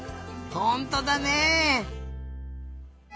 ほんとだね！